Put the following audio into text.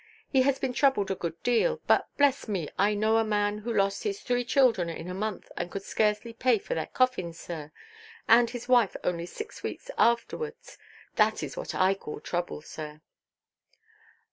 He has been troubled a good deal; but bless me—I know a man who lost his three children in a month, and could scarcely pay for their coffins, sir. And his wife only six weeks afterwards. That is what I call trouble, sir!"